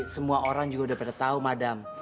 semua orang juga udah pada tahu madam